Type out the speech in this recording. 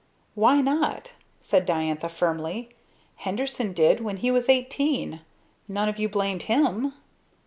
"Why not?" said Diantha firmly. "Henderson did when he was eighteen. None of you blamed him."